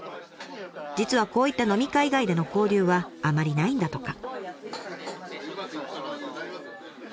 実はこういった飲み会以外での交流はあまりないんだとか。